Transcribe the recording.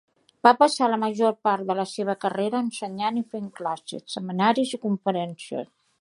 Va passar la major part de la seva carrera ensenyant i fent classes, seminaris i conferències.